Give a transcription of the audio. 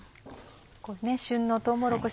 旬のとうもろこし